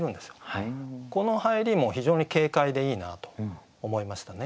この入りも非常に軽快でいいなと思いましたね。